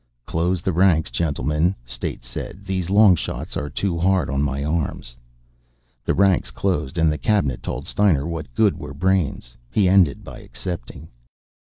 "Close the ranks, gentlemen," State said. "These long shots are too hard on my arms." The ranks closed and the Cabinet told Steiner what good were brains. He ended by accepting.